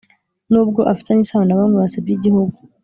Nubwo afitanye isano na bamwe basebya Igihugu